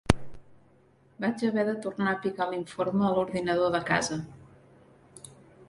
Vaig haver de tornar a picar l'informe a l'ordinador de casa.